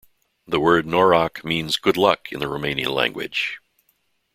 The word "noroc" means "good luck" in the Romanian language.